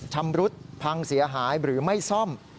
ชำรุดพังเสียหายหรือไม่ซ่อม